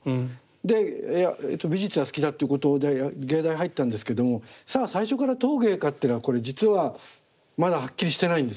で美術が好きだっていうことで芸大入ったんですけどもさあ最初から陶芸かっていうのはこれ実はまだはっきりしてないんですね。